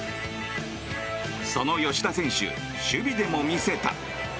その吉田選手、守備でも見せた。